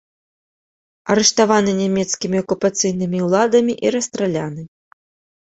Арыштаваны нямецкімі акупацыйнымі ўладамі і расстраляны.